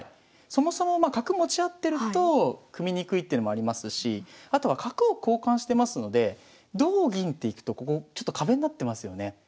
そもそもまあ角持ち合ってると組みにくいっていうのもありますしあとは角を交換してますので同銀っていくとここちょっと壁になってますよね。